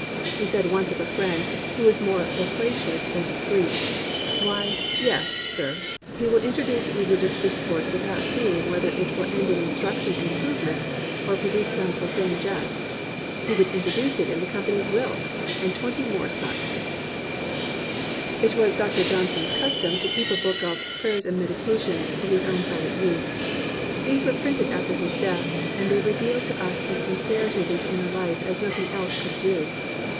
He once said of a friend who was more lo quacious than discreet, "Why, yes, sir; he will introduce religious discourse without seeing whether it will end in instruction and improvement, or pro duce some profane jest. He would introduce it in the company of Wilkes, and twenty more such." It was Dr. Johnson's custom to keep a book of Prayers and Meditations for his own private use. These were printed after his death, and they reveal to us the sincerity of his inner life as nothing else could do.